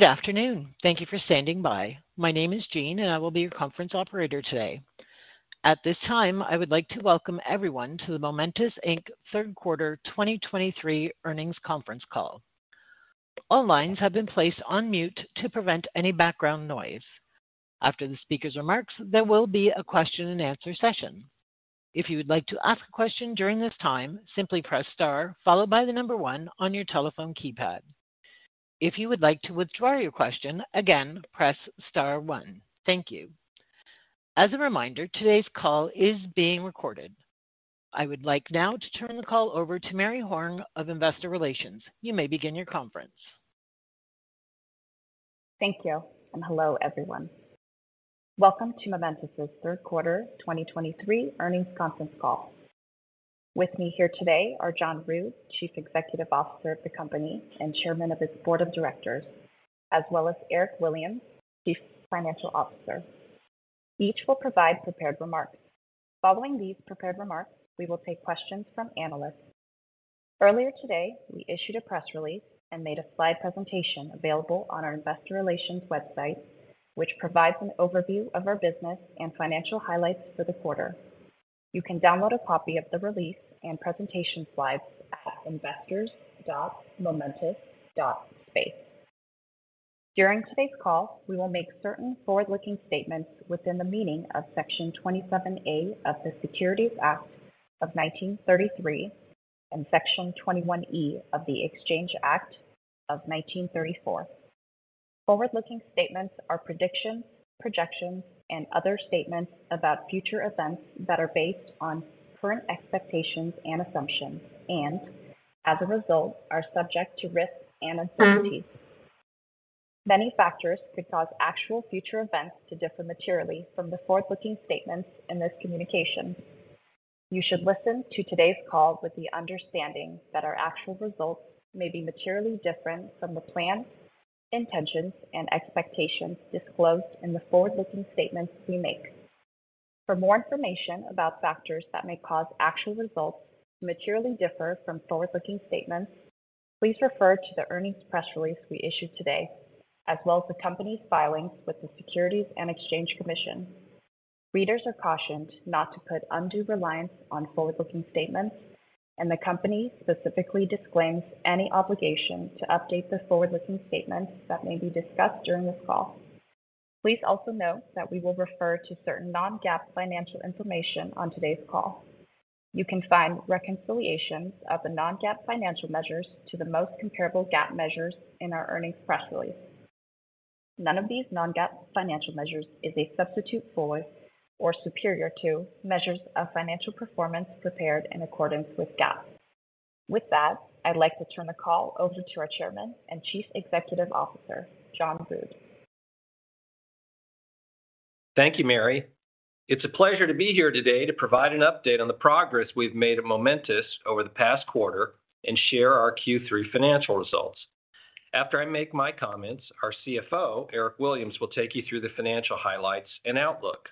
Good afternoon. Thank you for standing by. My name is Jean, and I will be your conference operator today. At this time, I would like to welcome everyone to the Momentus Inc. Q3 2023 Earnings Conference Call. All lines have been placed on mute to prevent any background noise. After the speaker's remarks, there will be a question-and-answer session. If you would like to ask a question during this time, simply press star followed by the number one on your telephone keypad. If you would like to withdraw your question, again, press star one. Thank you. As a reminder, today's call is being recorded. I would like now to turn the call over to Maria Horne of Investor Relations. You may begin your conference. Thank you, and hello, everyone. Welcome to Momentus' Q3 2023 Earnings Conference Call. With me here today are John Rood, Chief Executive Officer of the company and Chairman of its Board of Directors, as well as Eric Williams, Chief Financial Officer. Each will provide prepared remarks. Following these prepared remarks, we will take questions from analysts. Earlier today, we issued a press release and made a slide presentation available on our investor relations website, which provides an overview of our business and financial highlights for the quarter. You can download a copy of the release and presentation slides at investors.momentus.space. During today's call, we will make certain forward-looking statements within the meaning of Section 27A of the Securities Act of 1933 and Section 21E of the Exchange Act of 1934. Forward-looking statements are predictions, projections, and other statements about future events that are based on current expectations and assumptions, and as a result, are subject to risks and uncertainties. Many factors could cause actual future events to differ materially from the forward-looking statements in this communication. You should listen to today's call with the understanding that our actual results may be materially different from the plans, intentions, and expectations disclosed in the forward-looking statements we make. For more information about factors that may cause actual results to materially differ from forward-looking statements, please refer to the earnings press release we issued today, as well as the company's filings with the Securities and Exchange Commission. Readers are cautioned not to put undue reliance on forward-looking statements, and the company specifically disclaims any obligation to update the forward-looking statements that may be discussed during this call. Please also note that we will refer to certain non-GAAP financial information on today's call. You can find reconciliations of the non-GAAP financial measures to the most comparable GAAP measures in our earnings press release. None of these non-GAAP financial measures is a substitute for or superior to measures of financial performance prepared in accordance with GAAP. With that, I'd like to turn the call over to our Chairman and Chief Executive Officer, John Rood. Thank you, Maria. It's a pleasure to be here today to provide an update on the progress we've made at Momentus over the past quarter and share our Q3 financial results. After I make my comments, our CFO, Eric Williams, will take you through the financial highlights and outlook.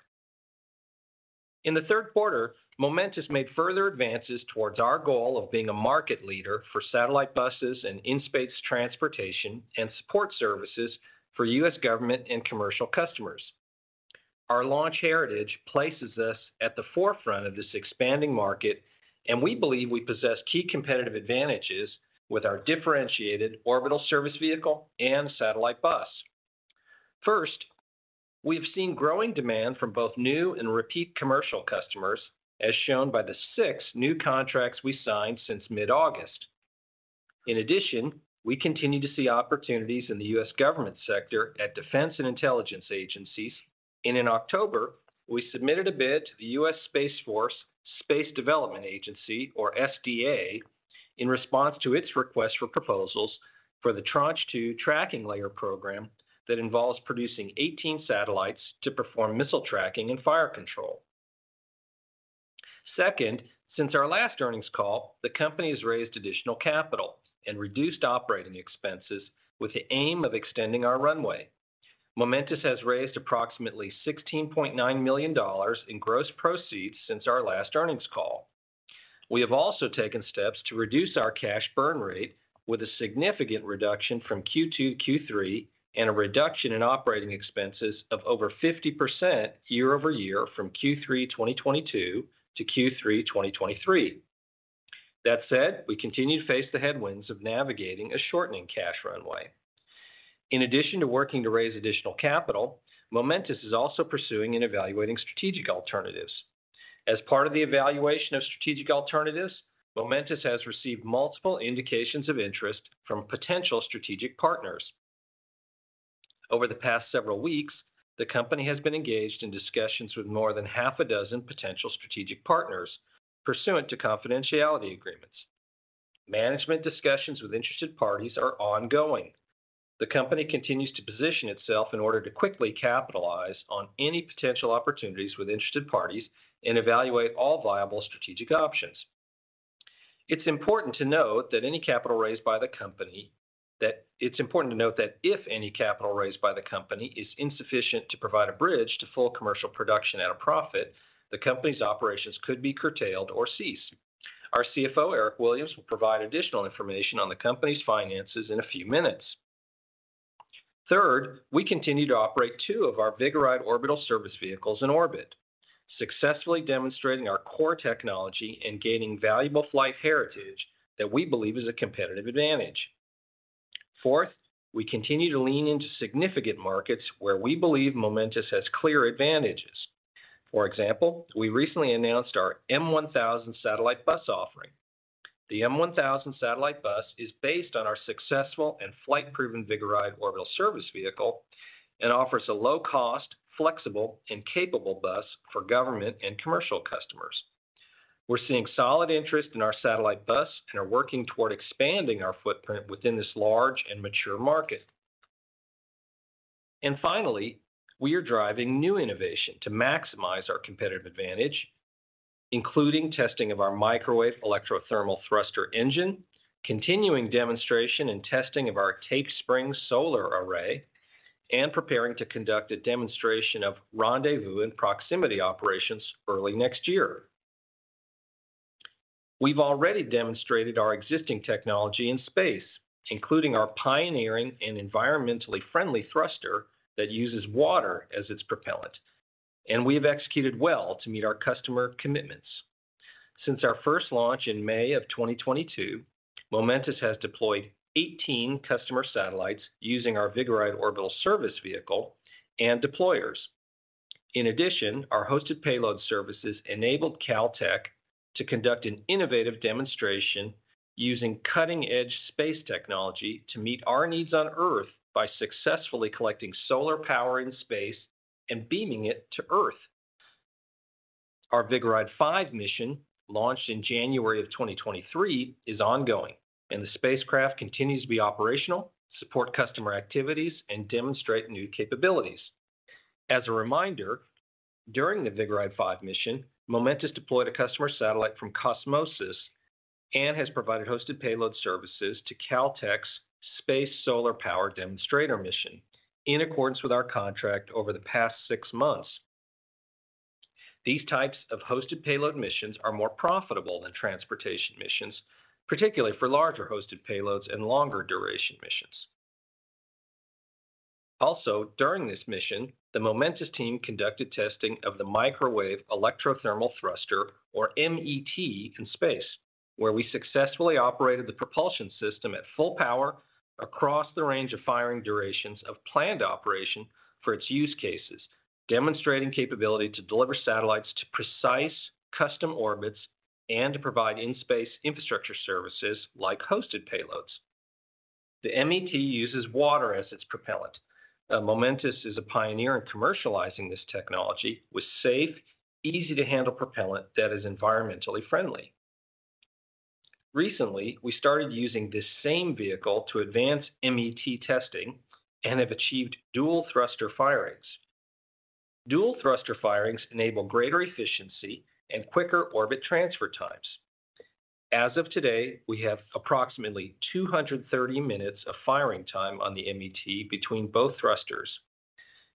In the Q3, Momentus made further advances towards our goal of being a market leader for satellite buses and in-space transportation and support services for U.S. government and commercial customers. Our launch heritage places us at the forefront of this expanding market, and we believe we possess key competitive advantages with our differentiated orbital service vehicle and satellite bus. First, we've seen growing demand from both new and repeat commercial customers, as shown by the six new contracts we signed since mid-August. In addition, we continue to see opportunities in the U.S. government sector at defense and intelligence agencies, and in October, we submitted a bid to the U.S. Space Force, Space Development Agency, or SDA, in response to its request for proposals for the Tranche 2 Tracking Layer program that involves producing 18 satellites to perform missile tracking and fire control. Second, since our last earnings call, the company has raised additional capital and reduced operating expenses with the aim of extending our runway. Momentus has raised approximately $16.9 million in gross proceeds since our last earnings call. We have also taken steps to reduce our cash burn rate with a significant reduction from Q2 to Q3 and a reduction in operating expenses of over 50% year-over-year from Q3 2022 to Q3 2023. That said, we continue to face the headwinds of navigating a shortening cash runway. In addition to working to raise additional capital, Momentus is also pursuing and evaluating strategic alternatives. As part of the evaluation of strategic alternatives, Momentus has received multiple indications of interest from potential strategic partners. Over the past several weeks, the company has been engaged in discussions with more than half a dozen potential strategic partners pursuant to confidentiality agreements. Management discussions with interested parties are ongoing. The company continues to position itself in order to quickly capitalize on any potential opportunities with interested parties and evaluate all viable strategic options. It's important to note that if any capital raised by the company is insufficient to provide a bridge to full commercial production at a profit, the company's operations could be curtailed or ceased. Our CFO, Eric Williams, will provide additional information on the company's finances in a few minutes. Third, we continue to operate two of our Vigoride orbital service vehicles in orbit, successfully demonstrating our core technology and gaining valuable flight heritage that we believe is a competitive advantage. Fourth, we continue to lean into significant markets where we believe Momentus has clear advantages. For example, we recently announced our M-1000 satellite bus offering. The M-1000 satellite bus is based on our successful and flight-proven Vigoride orbital service vehicle and offers a low-cost, flexible, and capable bus for government and commercial customers. We're seeing solid interest in our satellite bus and are working toward expanding our footprint within this large and mature market. Finally, we are driving new innovation to maximize our competitive advantage, including testing of our microwave electrothermal thruster engine, continuing demonstration and testing of our tape spring solar array, and preparing to conduct a demonstration of rendezvous and proximity operations early next year. We've already demonstrated our existing technology in space, including our pioneering and environmentally friendly thruster that uses water as its propellant, and we have executed well to meet our customer commitments. Since our first launch in May 2022, Momentus has deployed 18 customer satellites using our Vigoride Orbital Service Vehicle and deployers. In addition, our hosted payload services enabled Caltech to conduct an innovative demonstration using cutting-edge space technology to meet our needs on Earth by successfully collecting solar power in space and beaming it to Earth. Our Vigoride-5 mission, launched in January 2023, is ongoing, and the spacecraft continues to be operational, support customer activities, and demonstrate new capabilities. As a reminder, during the Vigoride-5 mission, Momentus deployed a customer satellite from Qosmosys and has provided hosted payload services to Caltech's Space Solar Power Demonstrator mission in accordance with our contract over the past six months. These types of hosted payload missions are more profitable than transportation missions, particularly for larger hosted payloads and longer duration missions. Also, during this mission, the Momentus team conducted testing of the microwave electrothermal thruster, or MET, in space, where we successfully operated the propulsion system at full power across the range of firing durations of planned operation for its use cases, demonstrating capability to deliver satellites to precise, custom orbits and to provide in-space infrastructure services like hosted payloads. The MET uses water as its propellant. Momentus is a pioneer in commercializing this technology with safe, easy-to-handle propellant that is environmentally friendly. Recently, we started using this same vehicle to advance MET testing and have achieved dual thruster firings. Dual thruster firings enable greater efficiency and quicker orbit transfer times. As of today, we have approximately 230 minutes of firing time on the MET between both thrusters.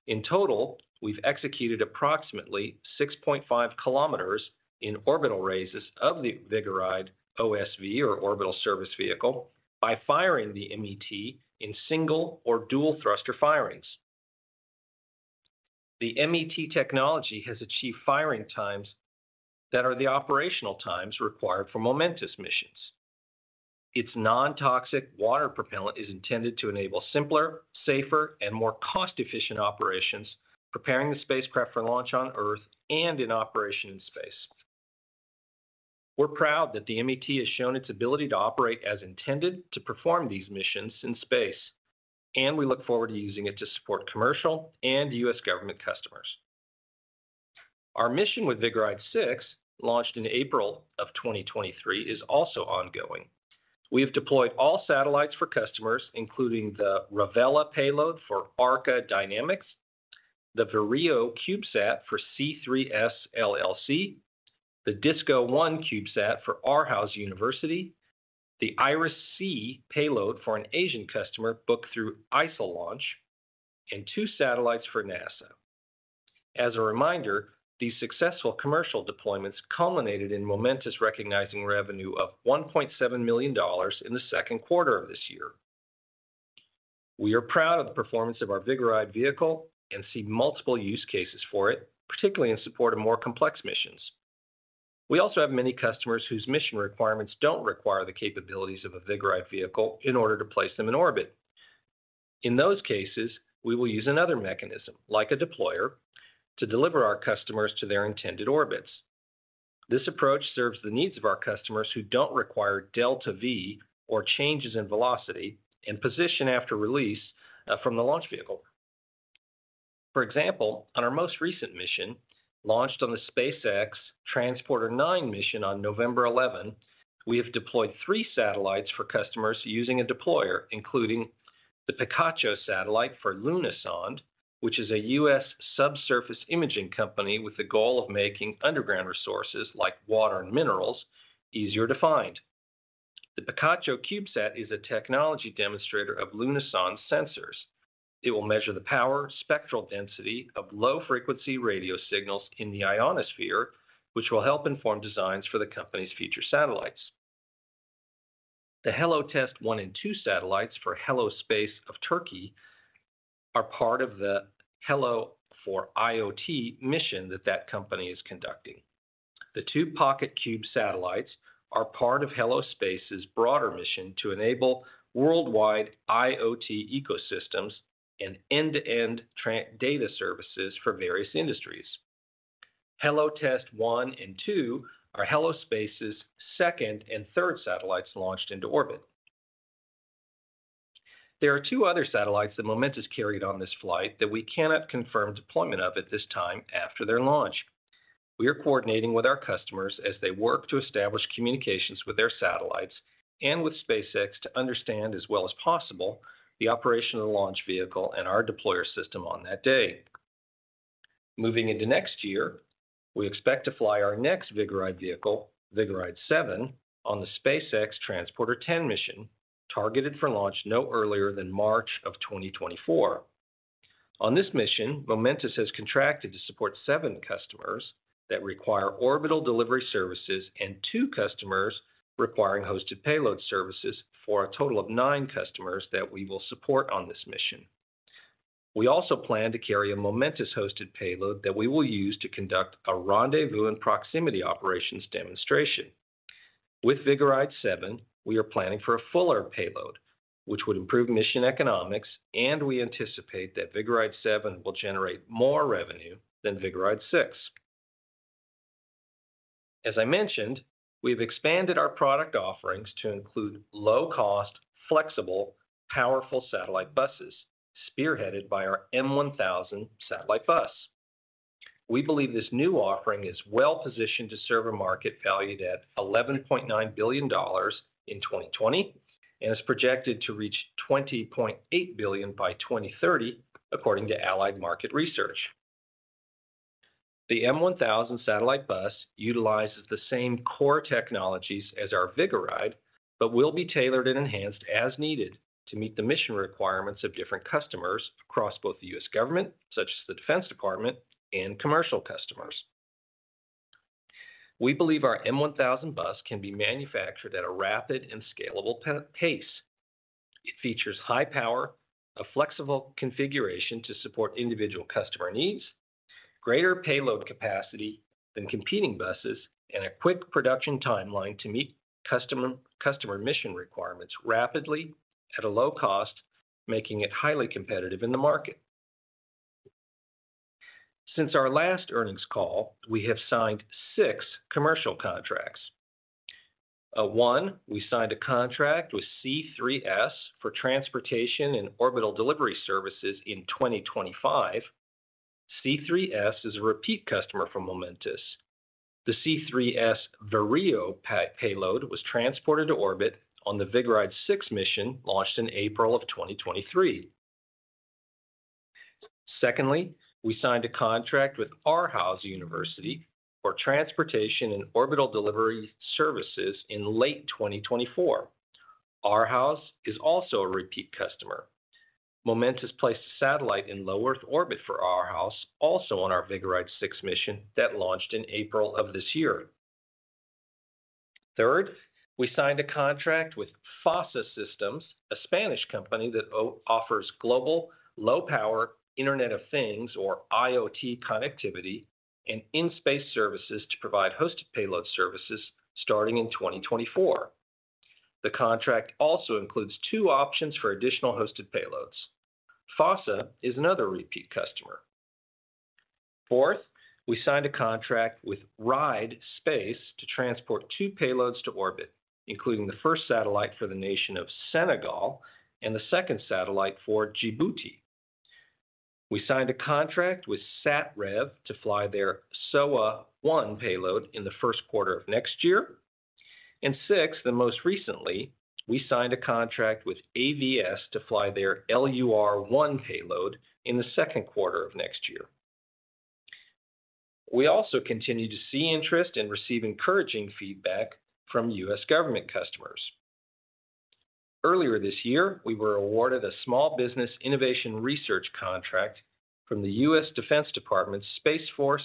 In total, we've executed approximately 6.5 kilometers in orbital raises of the Vigoride OSV, or orbital service vehicle, by firing the MET in single or dual thruster firings. The MET technology has achieved firing times that are the operational times required for Momentus missions. Its non-toxic water propellant is intended to enable simpler, safer, and more cost-efficient operations, preparing the spacecraft for launch on Earth and in operation in space. We're proud that the MET has shown its ability to operate as intended to perform these missions in space, and we look forward to using it to support commercial and U.S. government customers. Our mission with Vigoride-6, launched in April of 2023, is also ongoing. We have deployed all satellites for customers, including the REVELA payload for Arca Dynamics, the VIREO CubeSat for C3S LLC, the DISCO-1 CubeSat for Aarhus University, the IRIS-C payload for an Asian customer booked through ISILAUNCH, and two satellites for NASA. As a reminder, these successful commercial deployments culminated in Momentus recognizing revenue of $1.7 million in the Q2 of this year. We are proud of the performance of our Vigoride vehicle and see multiple use cases for it, particularly in support of more complex missions. We also have many customers whose mission requirements don't require the capabilities of a Vigoride vehicle in order to place them in orbit. In those cases, we will use another mechanism, like a deployer, to deliver our customers to their intended orbits. This approach serves the needs of our customers who don't require Delta-V, or changes in velocity, and position after release from the launch vehicle. For example, on our most recent mission, launched on the SpaceX Transporter-09 mission on November 11, we have deployed three satellites for customers using a deployer, including the Picacho satellite for Lunasonde, which is a U.S. subsurface imaging company with the goal of making underground resources, like water and minerals, easier to find. The Picacho CubeSat is a technology demonstrator of Lunasonde's sensors. It will measure the power spectral density of low-frequency radio signals in the ionosphere, which will help inform designs for the company's future satellites. The Hello Test 1 and 2 satellites for Hello Space of Turkey are part of the Hello for IoT mission that that company is conducting. The two PocketQube satellites are part of Hello Space's broader mission to enable worldwide IoT ecosystems and end-to-end data services for various industries. Hello Test 1 and 2 are Hello Space's second and third satellites launched into orbit. There are 2 other satellites that Momentus carried on this flight that we cannot confirm deployment of at this time after their launch. We are coordinating with our customers as they work to establish communications with their satellites and with SpaceX to understand, as well as possible, the operation of the launch vehicle and our deployer system on that day. Moving into next year, we expect to fly our next Vigoride vehicle, Vigoride-7, on the SpaceX Transporter-10 mission, targeted for launch no earlier than March 2024. On this mission, Momentus has contracted to support seven customers that require orbital delivery services and two customers requiring hosted payload services for a total of nine customers that we will support on this mission. We also plan to carry a Momentus-hosted payload that we will use to conduct a rendezvous and proximity operations demonstration. With Vigoride-7, we are planning for a fuller payload, which would improve mission economics, and we anticipate that Vigoride-7 will generate more revenue than Vigoride-6. As I mentioned, we've expanded our product offerings to include low-cost, flexible, powerful satellite buses, spearheaded by our M-1000 satellite bus. We believe this new offering is well-positioned to serve a market valued at $11.9 billion in 2020, and is projected to reach $20.8 billion by 2030, according to Allied Market Research. The M-1000 satellite bus utilizes the same core technologies as our Vigoride, but will be tailored and enhanced as needed to meet the mission requirements of different customers across both the U.S. government, such as the Defense Department and commercial customers. We believe our M-1000 bus can be manufactured at a rapid and scalable pace. It features high power, a flexible configuration to support individual customer needs, greater payload capacity than competing buses, and a quick production timeline to meet customer mission requirements rapidly at a low cost, making it highly competitive in the market. Since our last earnings call, we have signed six commercial contracts. One, we signed a contract with C3S for transportation and orbital delivery services in 2025. C3S is a repeat customer for Momentus. The C3S Vireo payload was transported to orbit on the Vigoride-6 mission, launched in April of 2023. Secondly, we signed a contract with Aarhus University for transportation and orbital delivery services in late 2024. Aarhus is also a repeat customer. Momentus placed a satellite in low Earth orbit for Aarhus, also on our Vigoride-6 mission that launched in April of this year. Third, we signed a contract with FOSSA Systems, a Spanish company that offers global low-power Internet of Things, or IoT connectivity, and in-space services to provide hosted payload services starting in 2024. The contract also includes two options for additional hosted payloads. FOSSA is another repeat customer. Fourth, we signed a contract with RIDE! Space to transport two payloads to orbit, including the first satellite for the nation of Senegal and the second satellite for Djibouti. We signed a contract with SatRev to fly their SOWA-1 payload in the Q1 of next year. And sixth, and most recently, we signed a contract with AVS to fly their LUR-1 payload in the Q2 of next year. We also continue to see interest and receive encouraging feedback from U.S. government customers. Earlier this year, we were awarded a Small Business Innovation Research contract from the U.S. Defense Department's Space Force,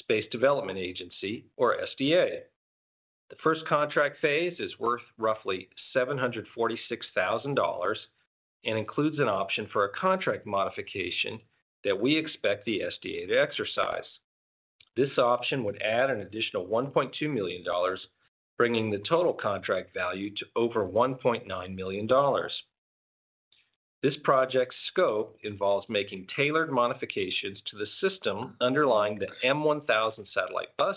Space Development Agency, or SDA. The first contract phase is worth roughly $746,000 and includes an option for a contract modification that we expect the SDA to exercise. This option would add an additional $1.2 million, bringing the total contract value to over $1.9 million. This project's scope involves making tailored modifications to the system underlying the M-1000 satellite bus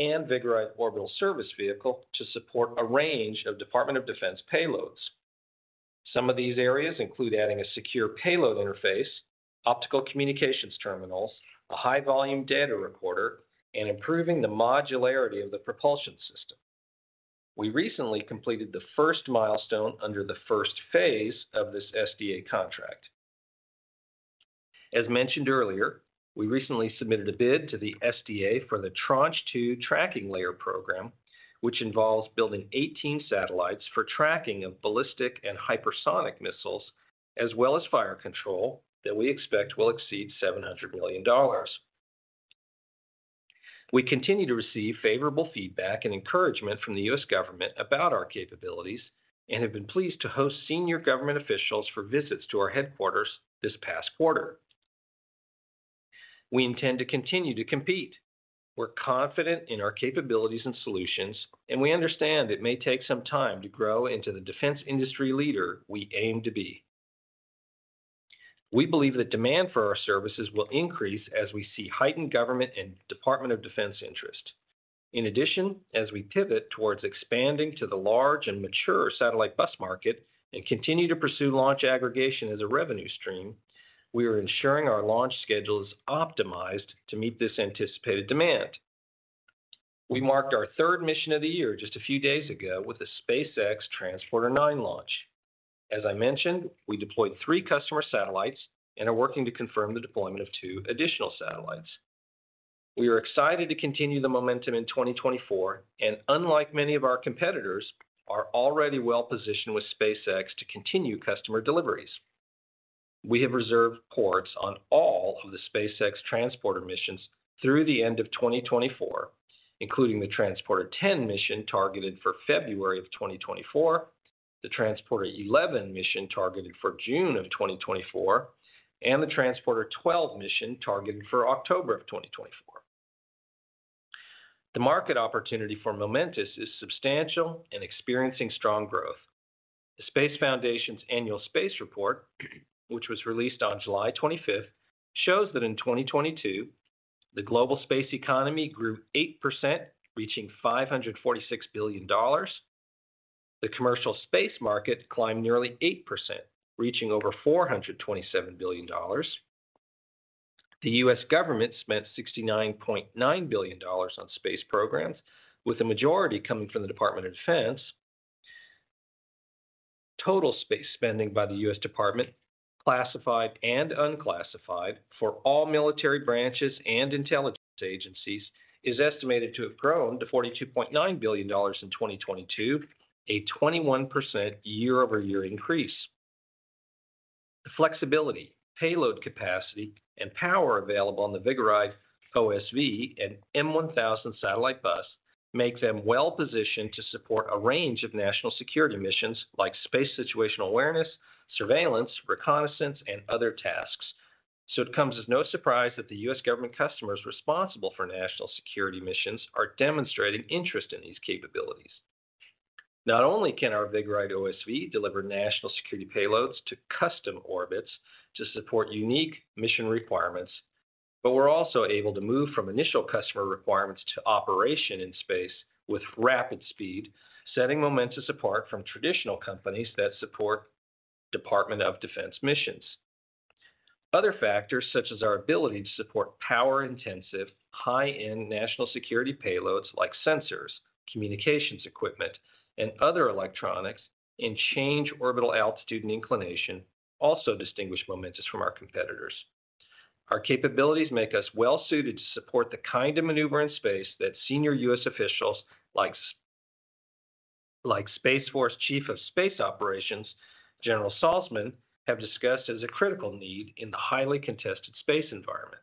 and Vigoride orbital service vehicle to support a range of Department of Defense payloads. Some of these areas include adding a secure payload interface, optical communications terminals, a high-volume data recorder, and improving the modularity of the propulsion system. We recently completed the first milestone under the first phase of this SDA contract. As mentioned earlier, we recently submitted a bid to the SDA for the Tranche 2 Tracking Layer program, which involves building 18 satellites for tracking of ballistic and hypersonic missiles, as well as fire control, that we expect will exceed $700 million. We continue to receive favorable feedback and encouragement from the U.S. government about our capabilities, and have been pleased to host senior government officials for visits to our headquarters this past quarter. We intend to continue to compete. We're confident in our capabilities and solutions, and we understand it may take some time to grow into the defense industry leader we aim to be. We believe the demand for our services will increase as we see heightened government and Department of Defense interest. In addition, as we pivot towards expanding to the large and mature satellite bus market and continue to pursue launch aggregation as a revenue stream, we are ensuring our launch schedule is optimized to meet this anticipated demand. We marked our third mission of the year just a few days ago with a SpaceX Transporter-09 launch. As I mentioned, we deployed three customer satellites and are working to confirm the deployment of two additional satellites. We are excited to continue the momentum in 2024, and unlike many of our competitors, are already well-positioned with SpaceX to continue customer deliveries. We have reserved ports on all of the SpaceX Transporter missions through the end of 2024, including the Transporter-10 mission targeted for February 2024, the Transporter-11 mission targeted for June 2024, and the Transporter-12 mission targeted for October 2024. The market opportunity for Momentus is substantial and experiencing strong growth. The Space Foundation's annual space report, which was released on July 25, shows that in 2022, the global space economy grew 8%, reaching $546 billion. The commercial space market climbed nearly 8%, reaching over $427 billion. The U.S. government spent $69.9 billion on space programs, with the majority coming from the Department of Defense. Total space spending by the U.S. Department, classified and unclassified, for all military branches and intelligence agencies, is estimated to have grown to $42.9 billion in 2022, a 21% year-over-year increase. The flexibility, payload capacity, and power available on the Vigoride OSV and M-1000 satellite bus make them well-positioned to support a range of national security missions like space situational awareness, surveillance, reconnaissance, and other tasks. So it comes as no surprise that the U.S. government customers responsible for national security missions are demonstrating interest in these capabilities. Not only can our Vigoride OSV deliver national security payloads to custom orbits to support unique mission requirements, but we're also able to move from initial customer requirements to operation in space with rapid speed, setting Momentus apart from traditional companies that support Department of Defense missions. Other factors, such as our ability to support power-intensive, high-end national security payloads like sensors, communications equipment, and other electronics, and change orbital altitude and inclination, also distinguish Momentus from our competitors. Our capabilities make us well-suited to support the kind of maneuver in space that senior U.S. officials, like Space Force Chief of Space Operations, General Saltzman, have discussed as a critical need in the highly contested space environment.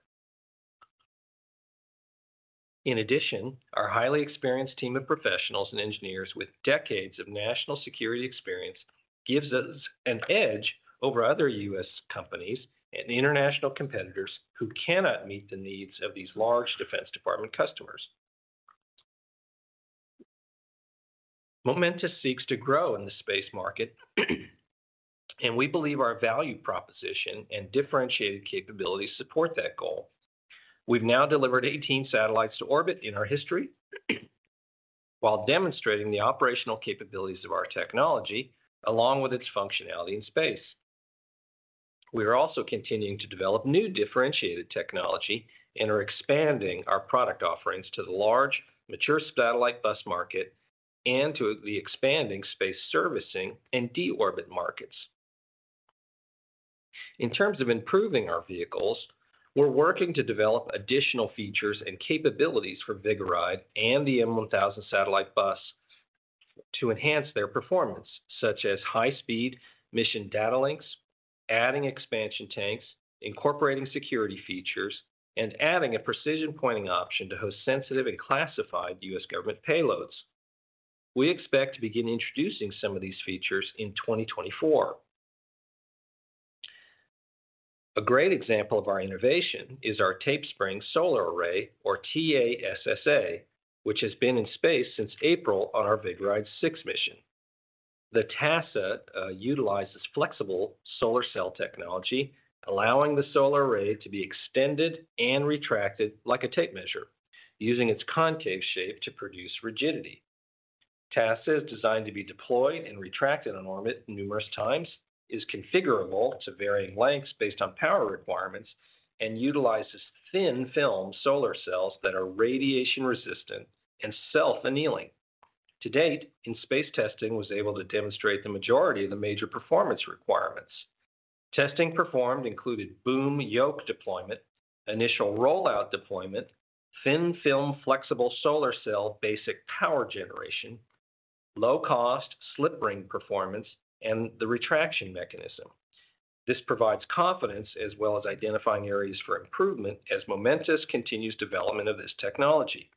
In addition, our highly experienced team of professionals and engineers with decades of national security experience gives us an edge over other U.S. companies and international competitors who cannot meet the needs of these large Defense Department customers. Momentus seeks to grow in the space market, and we believe our value proposition and differentiated capabilities support that goal. We've now delivered 18 satellites to orbit in our history, while demonstrating the operational capabilities of our technology, along with its functionality in space. We are also continuing to develop new differentiated technology and are expanding our product offerings to the large, mature satellite bus market and to the expanding space servicing and deorbit markets. In terms of improving our vehicles, we're working to develop additional features and capabilities for Vigoride and the M-1000 satellite bus to enhance their performance, such as high-speed mission data links, adding expansion tanks, incorporating security features, and adding a precision pointing option to host sensitive and classified U.S. government payloads. We expect to begin introducing some of these features in 2024. A great example of our innovation is our Tape Spring Solar Array, or TASSA, which has been in space since April on our Vigoride-6 mission. The TASSA utilizes flexible solar cell technology, allowing the solar array to be extended and retracted like a tape measure, using its concave shape to produce rigidity. TASSA is designed to be deployed and retracted on orbit numerous times, is configurable to varying lengths based on power requirements, and utilizes thin-film solar cells that are radiation-resistant and self-annealing. To date, in-space testing was able to demonstrate the majority of the major performance requirements. Testing performed included boom yoke deployment, initial rollout deployment, thin-film flexible solar cell basic power generation, low-cost slip ring performance, and the retraction mechanism. This provides confidence as well as identifying areas for improvement as Momentus continues development of this technology.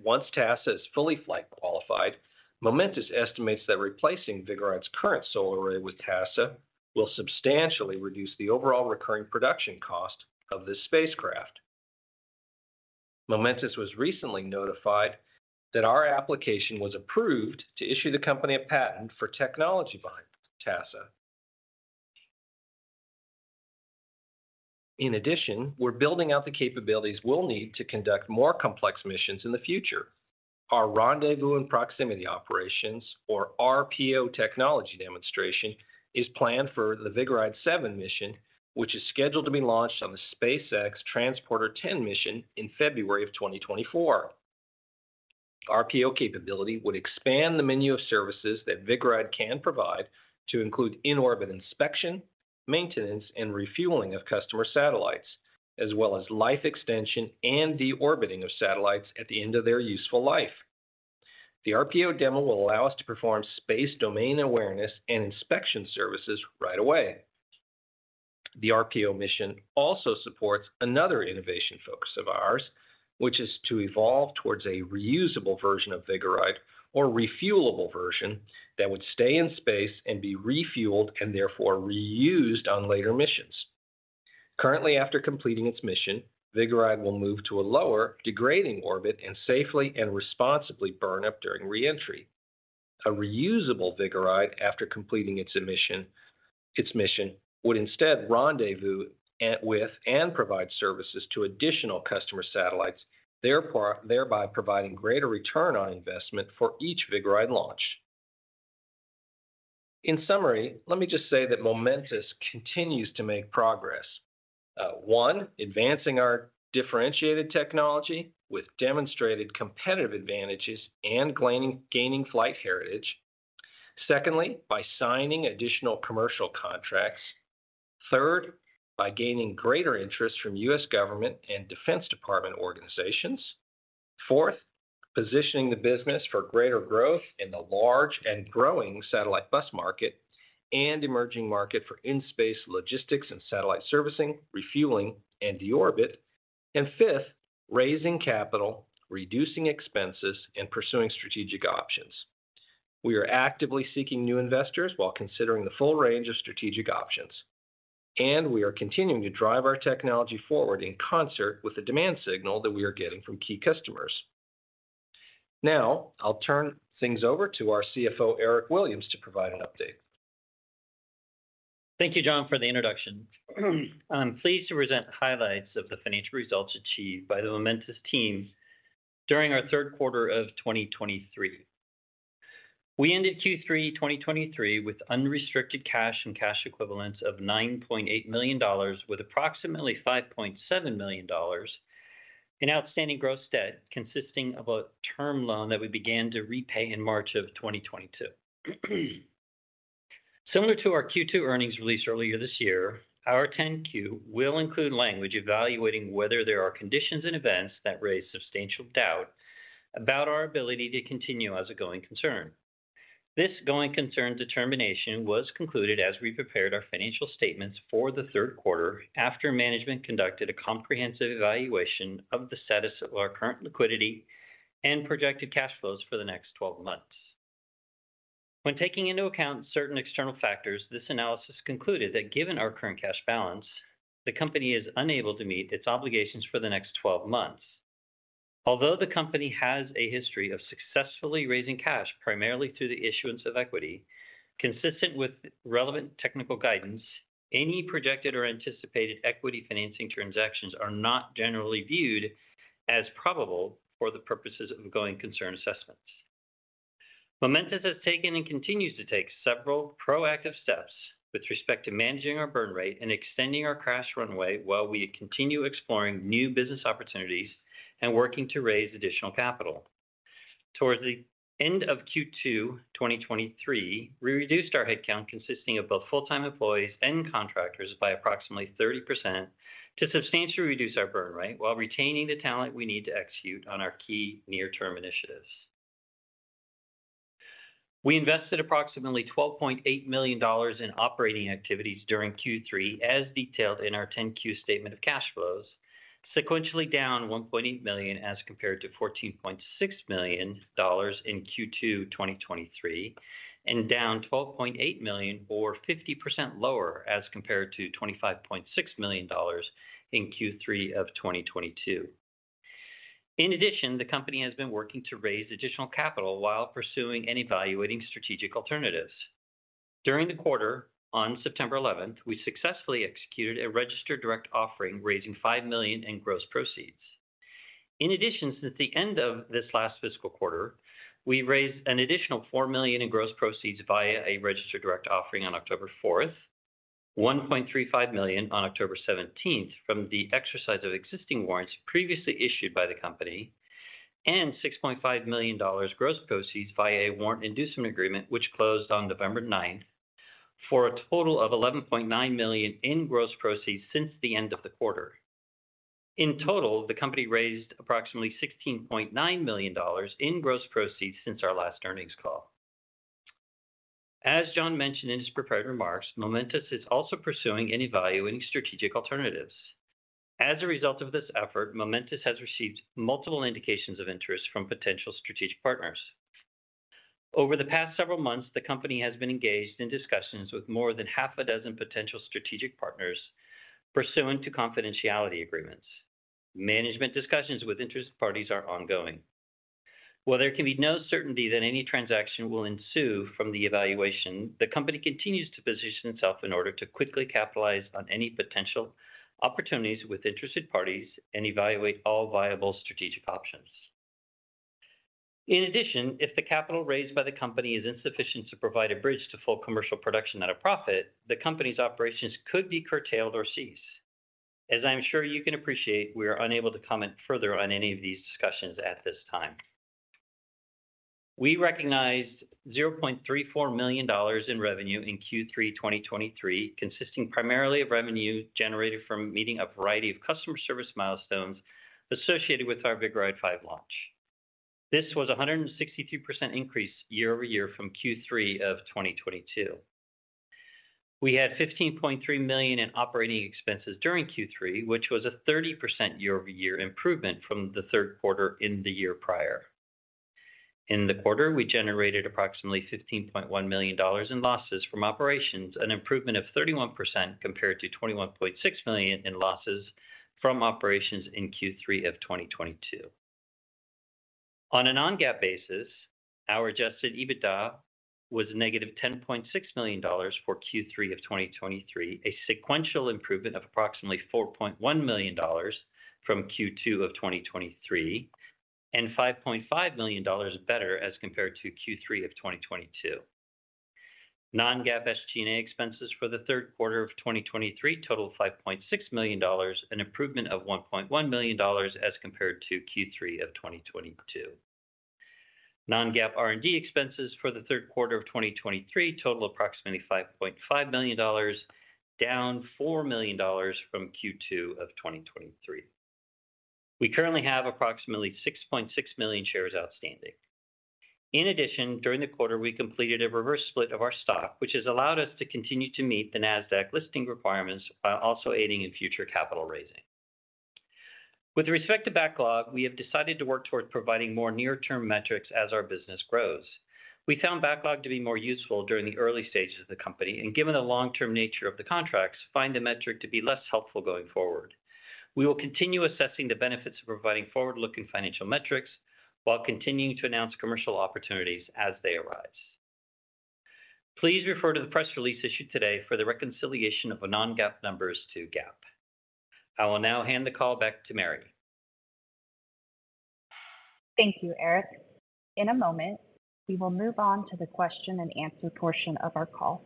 Once TASSA is fully flight qualified, Momentus estimates that replacing Vigoride's current solar array with TASSA will substantially reduce the overall recurring production cost of this spacecraft. Momentus was recently notified that our application was approved to issue the company a patent for technology behind TASSA. In addition, we're building out the capabilities we'll need to conduct more complex missions in the future. Our Rendezvous and Proximity Operations, or RPO technology demonstration, is planned for the Vigoride-7 mission, which is scheduled to be launched on the SpaceX Transporter-10 mission in February 2024. RPO capability would expand the menu of services that Vigoride can provide to include in-orbit inspection, maintenance, and refueling of customer satellites, as well as life extension and deorbiting of satellites at the end of their useful life. The RPO demo will allow us to perform space domain awareness and inspection services right away. The RPO mission also supports another innovation focus of ours, which is to evolve towards a reusable version of Vigoride or refuelable version that would stay in space and be refueled and therefore reused on later missions. Currently, after completing its mission, Vigoride will move to a lower degrading orbit and safely and responsibly burn up during reentry. A reusable Vigoride, after completing its mission, would instead rendezvous, and with and provide services to additional customer satellites, therefore, thereby providing greater return on investment for each Vigoride launch. In summary, let me just say that Momentus continues to make progress. One, advancing our differentiated technology with demonstrated competitive advantages and gaining flight heritage. Secondly, by signing additional commercial contracts. Third, by gaining greater interest from U.S. government and Defense Department organizations. Fourth, positioning the business for greater growth in the large and growing satellite bus market and emerging market for in-space logistics and satellite servicing, refueling, and deorbit. And fifth, raising capital, reducing expenses, and pursuing strategic options. We are actively seeking new investors while considering the full range of strategic options, and we are continuing to drive our technology forward in concert with the demand signal that we are getting from key customers. Now, I'll turn things over to our CFO, Eric Williams, to provide an update. Thank you, John, for the introduction. I'm pleased to present highlights of the financial results achieved by the Momentus team during our Q3 of 2023. We ended Q3 2023 with unrestricted cash and cash equivalents of $9.8 million, with approximately $5.7 million in outstanding gross debt, consisting of a term loan that we began to repay in March of 2022. Similar to our Q2 earnings release earlier this year, our 10-Q will include language evaluating whether there are conditions and events that raise substantial doubt about our ability to continue as a going concern. This going concern determination was concluded as we prepared our financial statements for the Q3, after management conducted a comprehensive evaluation of the status of our current liquidity and projected cash flows for the next 12 months. When taking into account certain external factors, this analysis concluded that given our current cash balance, the company is unable to meet its obligations for the next 12 months. Although the company has a history of successfully raising cash, primarily through the issuance of equity, consistent with relevant technical guidance, any projected or anticipated equity financing transactions are not generally viewed as probable for the purposes of going concern assessments. Momentus has taken and continues to take several proactive steps with respect to managing our burn rate and extending our cash runway while we continue exploring new business opportunities and working to raise additional capital. Towards the end of Q2 2023, we reduced our headcount, consisting of both full-time employees and contractors, by approximately 30% to substantially reduce our burn rate while retaining the talent we need to execute on our key near-term initiatives. We invested approximately $12.8 million in operating activities during Q3, as detailed in our 10-Q statement of cash flows, sequentially down $1.8 million as compared to $14.6 million in Q2 2023, and down $12.8 million, or 50% lower as compared to $25.6 million in Q3 of 2022. In addition, the company has been working to raise additional capital while pursuing and evaluating strategic alternatives. During the quarter, on September eleventh, we successfully executed a Registered Direct Offering, raising $5 million in gross proceeds. In addition, since the end of this last fiscal quarter, we raised an additional $4 million in gross proceeds via a Registered Direct Offering on October 4, $1.35 million on October 17 from the exercise of existing warrants previously issued by the company, and $6.5 million gross proceeds via a Warrant Inducement Agreement, which closed on November 9, for a total of $11.9 million in gross proceeds since the end of the quarter. In total, the company raised approximately $16.9 million in gross proceeds since our last earnings call. As John mentioned in his prepared remarks, Momentus is also pursuing and evaluating strategic alternatives. As a result of this effort, Momentus has received multiple indications of interest from potential strategic partners. Over the past several months, the company has been engaged in discussions with more than half a dozen potential strategic partners pursuant to confidentiality agreements. Management discussions with interested parties are ongoing. While there can be no certainty that any transaction will ensue from the evaluation, the company continues to position itself in order to quickly capitalize on any potential opportunities with interested parties and evaluate all viable strategic options. In addition, if the capital raised by the company is insufficient to provide a bridge to full commercial production at a profit, the company's operations could be curtailed or cease. As I'm sure you can appreciate, we are unable to comment further on any of these discussions at this time. We recognized $0.34 million in revenue in Q3 2023, consisting primarily of revenue generated from meeting a variety of customer service milestones associated with our Vigoride-5 launch. This was a 162% increase year-over-year from Q3 of 2022. We had $15.3 million in operating expenses during Q3, which was a 30% year-over-year improvement from the third quarter in the year prior. In the quarter, we generated approximately $15.1 million in losses from operations, an improvement of 31% compared to $21.6 million in losses from operations in Q3 of 2022. On a non-GAAP basis, our Adjusted EBITDA was -$10.6 million for Q3 of 2023, a sequential improvement of approximately $4.1 million from Q2 of 2023, and $5.5 million better as compared to Q3 of 2022. Non-GAAP SG&A expenses for the Q3 of 2023 totaled $5.6 million, an improvement of $1.1 million as compared to Q3 of 2022. Non-GAAP R&D expenses for the Q3 of 2023 totaled approximately $5.5 million, down $4 million from Q2 of 2023. We currently have approximately 6.6 million shares outstanding. In addition, during the quarter, we completed a reverse split of our stock, which has allowed us to continue to meet the Nasdaq listing requirements while also aiding in future capital raising. With respect to backlog, we have decided to work towards providing more near-term metrics as our business grows. We found backlog to be more useful during the early stages of the company, and given the long-term nature of the contracts, find the metric to be less helpful going forward. We will continue assessing the benefits of providing forward-looking financial metrics while continuing to announce commercial opportunities as they arise. Please refer to the press release issued today for the reconciliation of the non-GAAP numbers to GAAP. I will now hand the call back to Maria. Thank you, Eric. In a moment, we will move on to the question-and-answer portion of our call.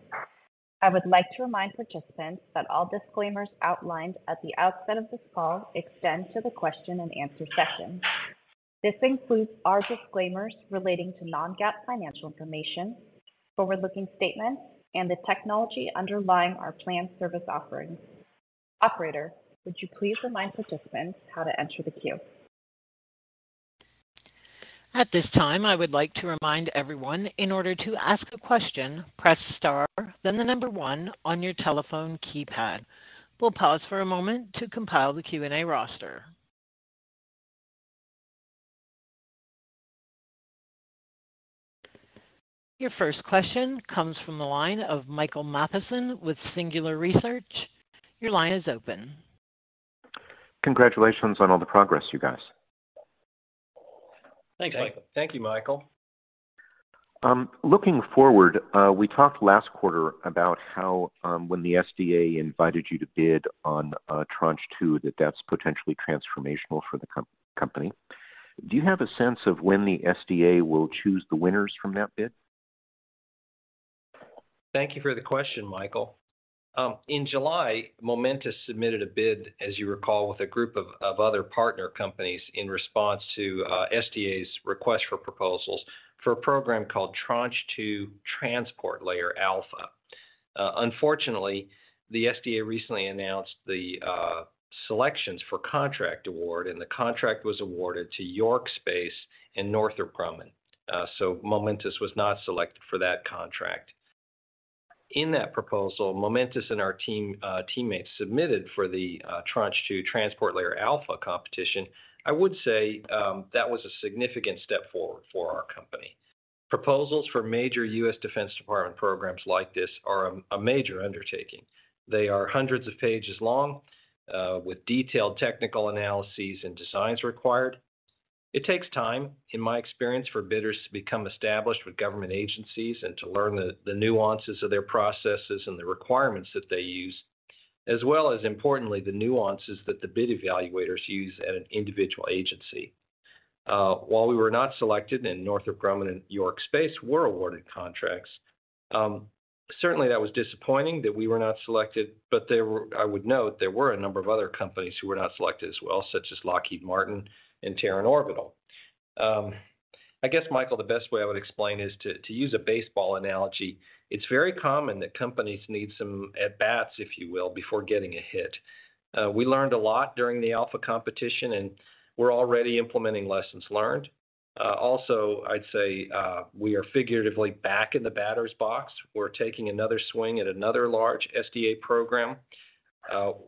I would like to remind participants that all disclaimers outlined at the outset of this call extend to the question-and-answer session. This includes our disclaimers relating to non-GAAP financial information, forward-looking statements, and the technology underlying our planned service offerings. Operator, would you please remind participants how to enter the queue? At this time, I would like to remind everyone, in order to ask a question, press star, then the number one on your telephone keypad. We'll pause for a moment to compile the Q&A roster. Your first question comes from the line of Michael Mathison with Singular Research. Your line is open. Congratulations on all the progress, you guys. Thanks, Michael. Thank you, Michael. Looking forward, we talked last quarter about how, when the SDA invited you to bid on Tranche 2, that that's potentially transformational for the company. Do you have a sense of when the SDA will choose the winners from that bid? Thank you for the question, Michael. In July, Momentus submitted a bid, as you recall, with a group of other partner companies in response to SDA's request for proposals for a program called Tranche 2 Transport Layer Alpha. Unfortunately, the SDA recently announced the selections for contract award, and the contract was awarded to York Space Systems and Northrop Grumman. So Momentus was not selected for that contract. In that proposal, Momentus and our team teammates submitted for the Tranche 2 Transport Layer Alpha competition. I would say that was a significant step forward for our company. Proposals for major U.S. Defense Department programs like this are a major undertaking. They are hundreds of pages long with detailed technical analyses and designs required. It takes time, in my experience, for bidders to become established with government agencies and to learn the nuances of their processes and the requirements that they use, as well as importantly, the nuances that the bid evaluators use at an individual agency. While we were not selected and Northrop Grumman and York Space were awarded contracts, certainly that was disappointing that we were not selected, but there were, I would note, there were a number of other companies who were not selected as well, such as Lockheed Martin and Terran Orbital. I guess, Michael, the best way I would explain is to use a baseball analogy. It's very common that companies need some at-bats, if you will, before getting a hit. We learned a lot during the Alpha competition, and we're already implementing lessons learned. Also, I'd say, we are figuratively back in the batter's box. We're taking another swing at another large SDA program.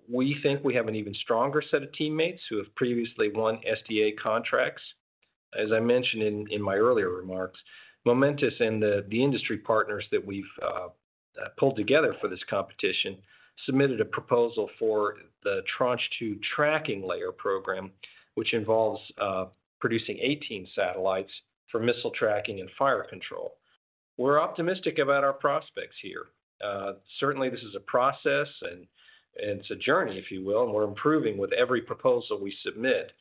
We think we have an even stronger set of teammates who have previously won SDA contracts. As I mentioned in my earlier remarks, Momentus and the industry partners that we've pulled together for this competition, submitted a proposal for the Tranche 2 Tracking Layer program, which involves producing 18 satellites for missile tracking and fire control. We're optimistic about our prospects here. Certainly, this is a process, and it's a journey, if you will, and we're improving with every proposal we submit.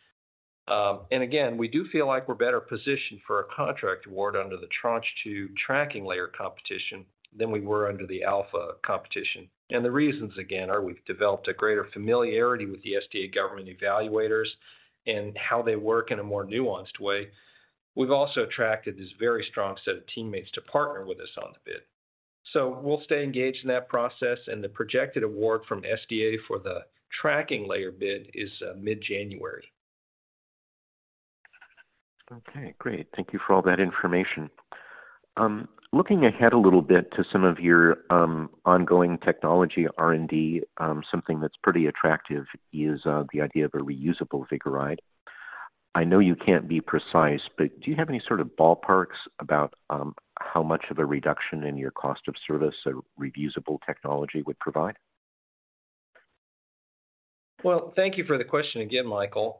And again, we do feel like we're better positioned for a contract award under the Tranche 2 Tracking Layer competition than we were under the Alpha competition. And the reasons, again, are we've developed a greater familiarity with the SDA government evaluators and how they work in a more nuanced way. We've also attracted this very strong set of teammates to partner with us on the bid. So we'll stay engaged in that process, and the projected award from SDA for the Tracking Layer bid is mid-January. Okay, great. Thank you for all that information. Looking ahead a little bit to some of your ongoing technology R&D, something that's pretty attractive is the idea of a reusable Vigoride. I know you can't be precise, but do you have any sort of ballparks about how much of a reduction in your cost of service a reusable technology would provide? Well, thank you for the question again, Michael.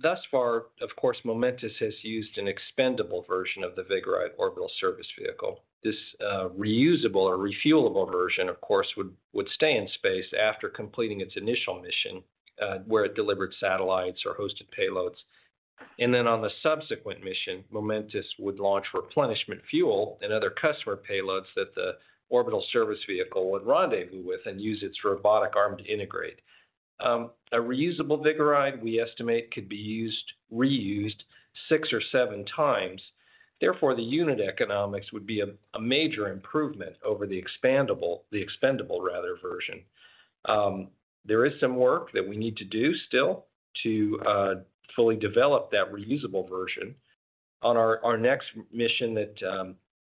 Thus far, of course, Momentus has used an expendable version of the Vigoride orbital service vehicle. This reusable or refuelable version, of course, would stay in space after completing its initial mission, where it delivered satellites or hosted payloads. And then, on the subsequent mission, Momentus would launch replenishment fuel and other customer payloads that the orbital service vehicle would rendezvous with and use its robotic arm to integrate. A reusable Vigoride, we estimate, could be reused six or seven times. Therefore, the unit economics would be a major improvement over the expendable, rather, version. There is some work that we need to do still to fully develop that reusable version. On our next mission that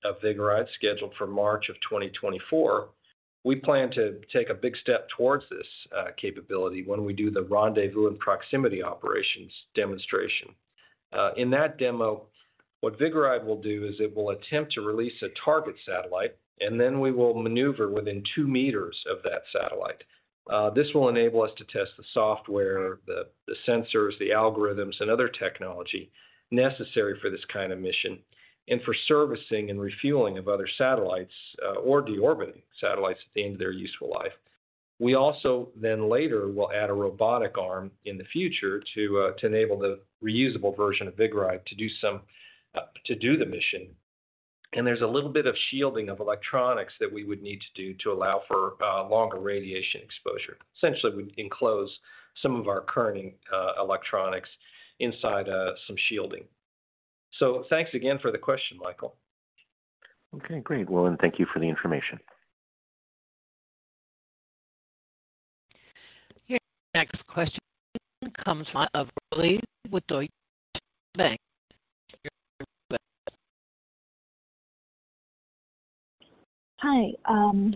of Vigoride, scheduled for March of 2024, we plan to take a big step towards this capability when we do the rendezvous and proximity operations demonstration. In that demo, what Vigoride will do is it will attempt to release a target satellite, and then we will maneuver within two meters of that satellite. This will enable us to test the software, the sensors, the algorithms, and other technology necessary for this kind of mission, and for servicing and refueling of other satellites, or deorbiting satellites at the end of their useful life. We also then later will add a robotic arm in the future to enable the reusable version of Vigoride to do some to do the mission. There's a little bit of shielding of electronics that we would need to do to allow for longer radiation exposure. Essentially, we'd enclose some of our current electronics inside some shielding. So thanks again for the question, Michael. Okay, great. Well, thank you for the information. Your next question comes from Lee with Deutsche Bank. Hi,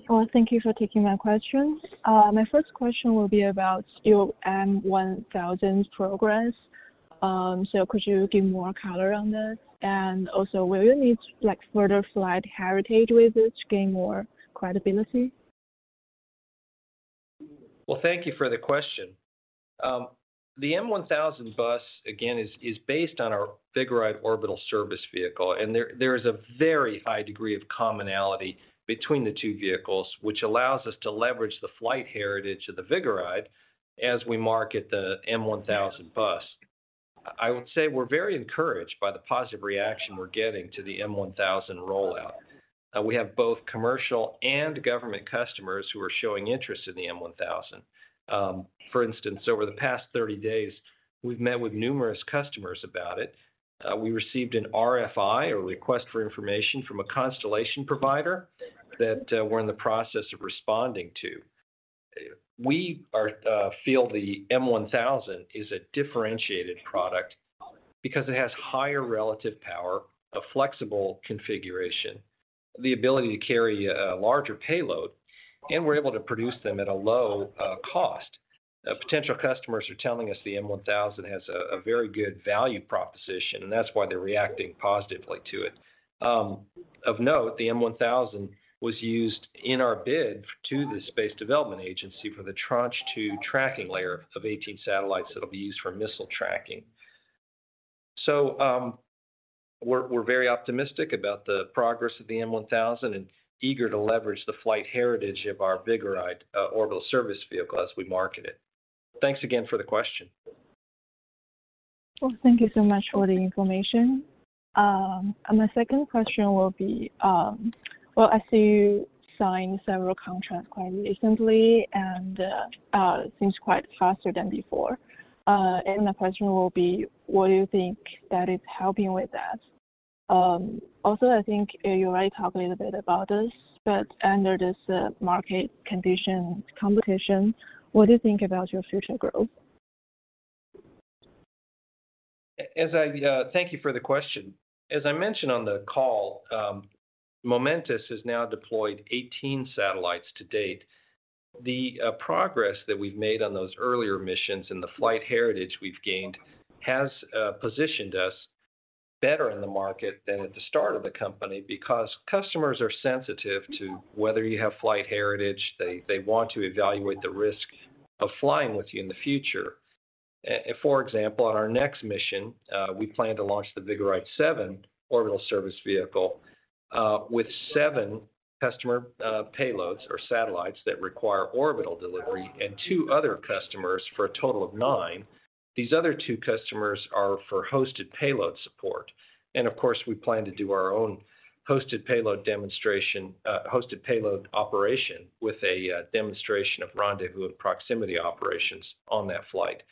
well, thank you for taking my questions. My first question will be about your M-1000 progress. So could you give more color on this? And also, will you need, like, further flight heritage with it to gain more credibility? Well, thank you for the question. The M-1000 bus, again, is based on our Vigoride orbital service vehicle, and there is a very high degree of commonality between the two vehicles, which allows us to leverage the flight heritage of the Vigoride as we market the M-1000 bus. I would say we're very encouraged by the positive reaction we're getting to the M-1000 rollout. We have both commercial and government customers who are showing interest in the M-1000. For instance, over the past 30 days, we've met with numerous customers about it. We received an RFI, a request for information, from a constellation provider that we're in the process of responding to. We feel the M-1000 is a differentiated product because it has higher relative power, a flexible configuration, the ability to carry a larger payload, and we're able to produce them at a low cost. Potential customers are telling us the M-1000 has a very good value proposition, and that's why they're reacting positively to it. Of note, the M-1000 was used in our bid to the Space Development Agency for the Tranche 2 Tracking Layer of 18 satellites that'll be used for missile tracking. So, we're very optimistic about the progress of the M-1000 and eager to leverage the flight heritage of our Vigoride orbital service vehicle as we market it. Thanks again for the question. Well, thank you so much for the information. My second question, I see you signed several contracts quite recently, and seems quite faster than before. The question will be, what do you think that is helping with that? Also, I think you already talked a little bit about this, but under this market condition competition, what do you think about your future growth? As I thank you for the question. As I mentioned on the call, Momentus has now deployed 18 satellites to date. The progress that we've made on those earlier missions and the flight heritage we've gained has positioned us better in the market than at the start of the company, because customers are sensitive to whether you have flight heritage. They, they want to evaluate the risk of flying with you in the future. For example, on our next mission, we plan to launch the Vigoride-7 orbital service vehicle, with seven customer payloads or satellites that require orbital delivery, and two other customers for a total of nine. These other two customers are for hosted payload support, and of course, we plan to do our own hosted payload demonstration, hosted payload operation with a demonstration of rendezvous and proximity operations on that flight.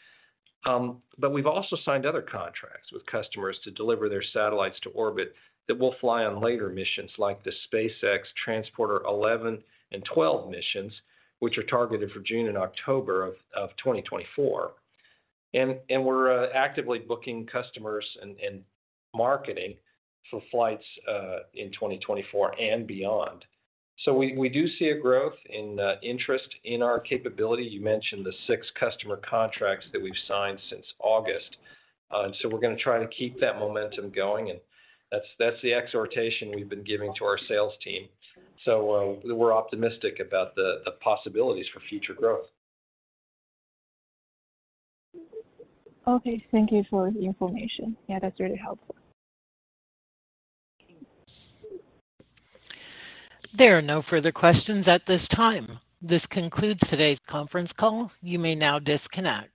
But we've also signed other contracts with customers to deliver their satellites to orbit that will fly on later missions, like the SpaceX Transporter-11 and 12 missions, which are targeted for June and October of 2024. And we're actively booking customers and marketing for flights in 2024 and beyond. So we do see a growth in interest in our capability. You mentioned the 6 customer contracts that we've signed since August. So we're gonna try to keep that momentum going, and that's the exhortation we've been giving to our sales team. We're optimistic about the possibilities for future growth. Okay. Thank you for the information. Yeah, that's really helpful. There are no further questions at this time. This concludes today's conference call. You may now disconnect.